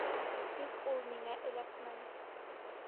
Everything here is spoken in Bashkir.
Тик ул миңә эләкмәне.